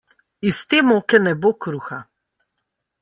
Iz te moke ne bo kruha.